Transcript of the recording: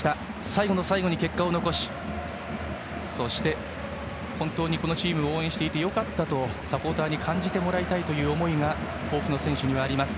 最後の最後に結果を残しそして本当に、このチームを応援していてよかったという思いをサポーターに感じてもらいたいという思いが甲府の選手にあります。